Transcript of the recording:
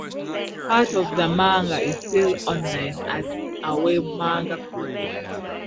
Part of the manga is still online as a webmanga preview.